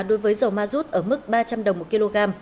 đối với dầu ma rút ở mức ba trăm linh đồng một kg